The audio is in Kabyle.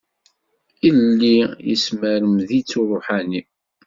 Yelli yesmermed-itt uṛuḥani.